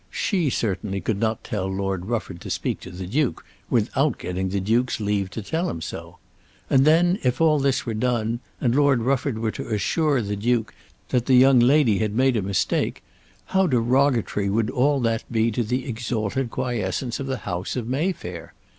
She certainly could not tell Lord Rufford to speak to the Duke without getting the Duke's leave to tell him so. And then, if all this were done, and Lord Rufford were to assure the Duke that the young lady had made a mistake, how derogatory would all that be to the exalted quiescence of the house of Mayfair!